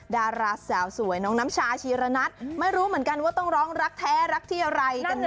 ดาราสาวสวยน้องน้ำชาชีระนัทไม่รู้เหมือนกันว่าต้องร้องรักแท้รักที่อะไรกันแน